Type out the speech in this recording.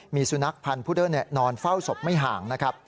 มีสุนัขพันธ์ผู้เดิมนอนเฝ้าศพไม่ห่าง